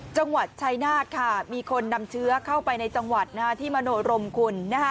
จังหวัดชายนาฏค่ะมีคนนำเชื้อเข้าไปในจังหวัดที่มโนรมคุณ